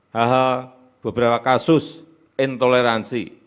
hahal beberapa kasus intoleransi